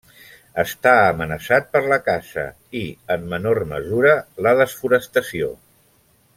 Està amenaçat per la caça i, en menor mesura, la desforestació.